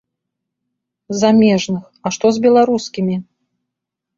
Замежных, а што з беларускімі?